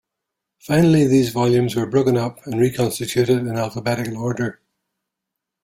Finally, these volumes were broken up and re-constituted in alphabetical order.